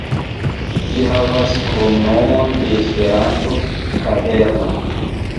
Ĝi havas kromnomon de Esperanto, "Kaverno".